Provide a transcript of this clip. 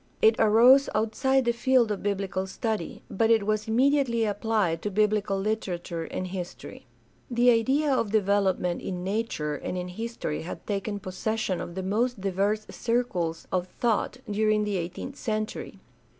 It arose outside the field of biblical study, but it was immediately applied to biblical literature and history. The idea of development in nature and in history had taken possession of the most diverse circles of thought during the eighteenth century.